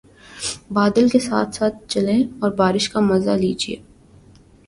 بادل کے ساتھ ساتھ چلیے اور بارش کا مزہ لیجئے